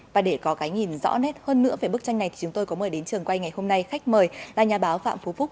và để có cái nhìn rõ nét hơn nữa về bức tranh này thì chúng tôi có mời đến trường quay ngày hôm nay khách mời là nhà báo phạm phú phúc